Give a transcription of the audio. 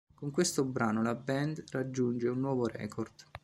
Con questo brano la band raggiunge un nuovo record.